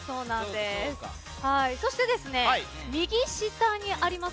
そして右下にあります